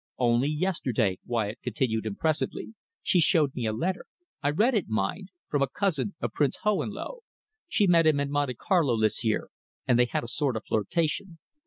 "Only yesterday," Wyatt continued impressively, "she showed me a letter I read it, mind from a cousin of Prince Hohenlowe. She met him at Monte Carlo this year, and they had a sort of flirtation.